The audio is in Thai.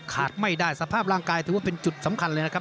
ขาดไม่ได้สภาพร่างกายถือว่าเป็นจุดสำคัญเลยนะครับ